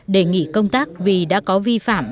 đề nghị công tác vì đã có vi phạm